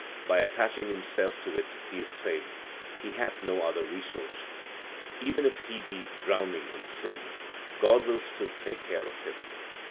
v By attaching himself to it he is saved ; he hath no other resource. ^Even if he be drowning in sin, God will still take care of him.